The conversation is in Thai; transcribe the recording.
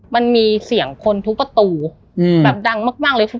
มันมีเสียงคนทุกประตูแบบดังมากเลย